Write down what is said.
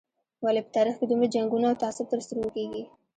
ولې په تاریخ کې دومره جنګونه او تعصب تر سترګو کېږي.